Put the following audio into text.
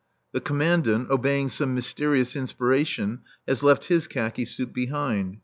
The Commandant, obeying some mysterious inspiration, has left his khaki suit behind.